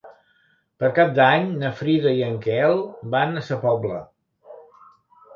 Per Cap d'Any na Frida i en Quel van a Sa Pobla.